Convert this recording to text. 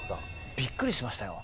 びっくりしましたよ。